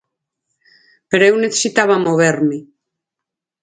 Pero eu necesitaba moverme.